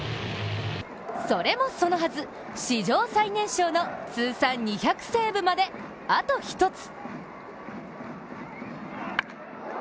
それもそのはず、史上最年少の通算２００セーブまであと１つ。